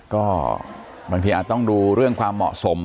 ก็บางทีอาจต้องดูเรื่องความเหมาะสม